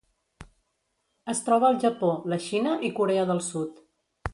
Es troba al Japó, la Xina i Corea del Sud.